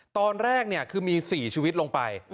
ตอนแรกคือมี๔ชีวิตลงไป